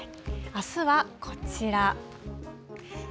あすはこちら。